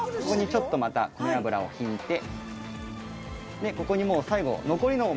ここにちょっとまた米油を引いてここにもう最後。